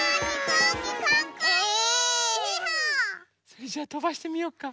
それじゃあとばしてみようか？